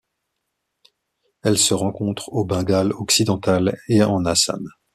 Elle se rencontre au Bengale-Occidental et en Assam.